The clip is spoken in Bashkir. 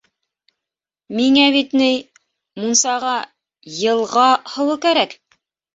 Миңә бит ни... мунсаға йылға һыуы кәрәк.